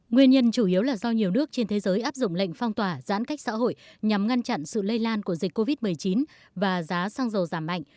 nguyên nhân chủ yếu là do nhiều nước trên thế giới áp dụng lệnh phong tỏa giãn cách xã hội nhằm ngăn chặn sự lây lan của dịch covid một mươi chín và giá xăng dầu giảm mạnh